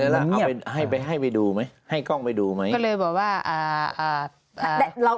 เษี่ยงยังไม่เห็น